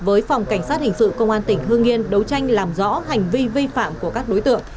với phòng cảnh sát hình sự công an tỉnh hương yên đấu tranh làm rõ hành vi vi phạm của các đối tượng